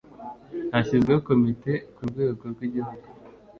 Hashyizweho Komite ku rwego rw igihugu